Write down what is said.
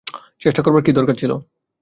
চেষ্টা করার কী দরকার ছিল?